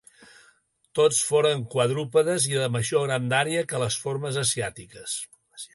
Tots foren quadrúpedes i de major grandària que les formes asiàtiques.